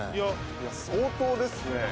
いや、相当ですね。